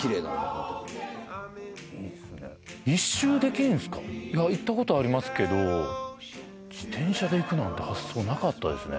ホントいいっすね一周できるんすかいや行ったことありますけど自転車で行くなんて発想なかったですね